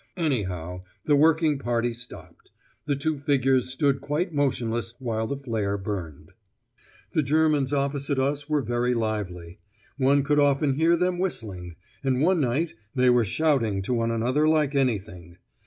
Anyhow, the working party stopped. The two figures stood quite motionless while the flare burned. The Germans opposite us were very lively. One could often hear them whistling, and one night they were shouting to one another like anything.